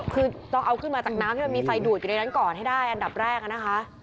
คือต้องเอาขึ้นมาจากน้ำให้มันมีไฟดูดอยู่ในนั้นก่อนให้ได้อันดับแรกนะคะ